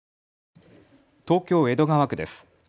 東京江戸川区です。